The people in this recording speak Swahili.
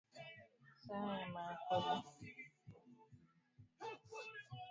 Saa ya maakuli.